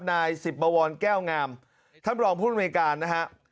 นายสิบบวรแก้วงามท่านรองผู้อำนวยการนะฮะ